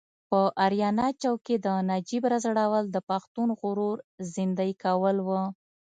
په اریانا چوک کې د نجیب راځړول د پښتون غرور زیندۍ کول و.